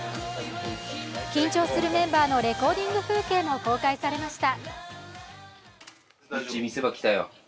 緊張するメンバーのレコーディング風景も公開されました。